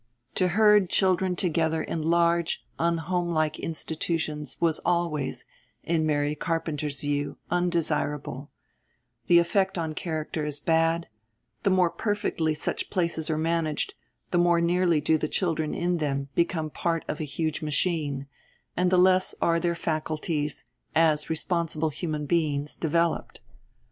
To herd children together in large, unhomelike institutions, was always, in Mary Carpenter's view, undesirable; the effect on character is bad; the more perfectly such places are managed, the more nearly do the children in them become part of a huge machine, and the less are their faculties, as responsible human beings, developed.